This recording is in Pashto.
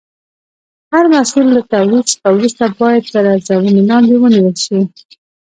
هر محصول له تولید څخه وروسته باید تر ارزونې لاندې ونیول شي.